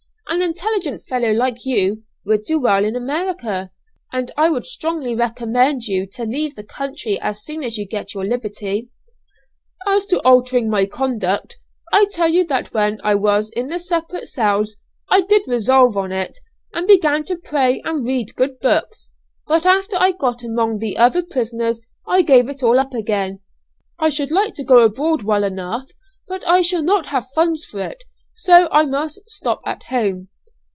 An intelligent fellow like you would do well in America, and I would strongly recommend you to leave the country as soon as you get your liberty." "As to altering my conduct, I tell you that when I was in the separate cells, I did resolve on it, and began to pray and read good books, but after I got among the other prisoners I gave it all up again; I should like to go abroad well enough, but I shall not have funds for it, so I must stop at home."